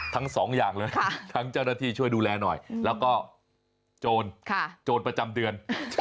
ทั้งสองอย่างเลยทั้งเจ้าหน้าที่ช่วยดูแลหน่อยแล้วก็โจรโจรประจำเดือน